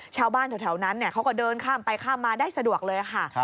ชาวบ้านแถวนั้นเขาก็เดินข้ามไปข้ามมาได้สะดวกเลยค่ะ